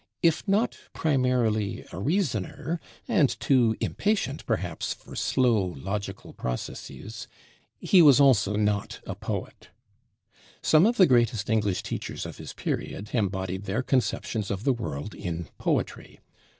If not primarily a reasoner, and too impatient perhaps for slow logical processes, he was also not a poet. Some of the greatest English teachers of his period embodied their conceptions of the world in poetry.